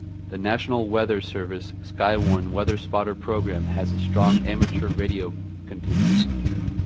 The National Weather Service Skywarn weather-spotter program has a strong amateur radio contingent.